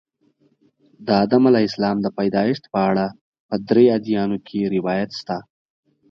د آدم علیه السلام د پیدایښت په اړه په درې ادیانو کې روایات شته.